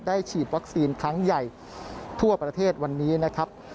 ฉีดวัคซีนครั้งใหญ่ทั่วประเทศวันนี้นะครับ